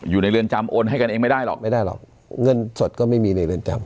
อยู่ในเรือนจำโอนให้กันเองไม่ได้หรอกไม่ได้หรอกเงินสดก็ไม่มีในเรือนจำ